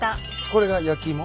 これが焼き芋？